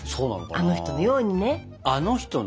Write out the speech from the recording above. あの人のように？